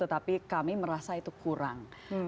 tetapi kami merasa itu kurang